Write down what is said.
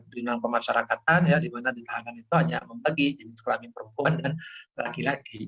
di undang undang pemasarakatan ya di mana ditahanan itu hanya membagi jenis kelamin perempuan dan laki laki